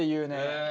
へえ！